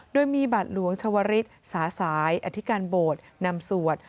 ด้วยมีบัตรหลวงชวริตสาสายอธิการโบดนำสวด